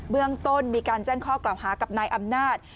เรื่องต้นมีการแจ้งข้อกล่าวหากับนายอำนาจ